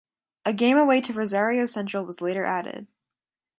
A game away to Rosario Central was later added.